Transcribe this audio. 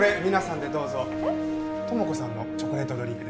友子さんのチョコレートドリンクです。